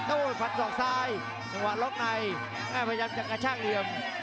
โอ้โหฟันศอกซ้ายจังหวะล็อกในพยายามจะกระชากเหลี่ยม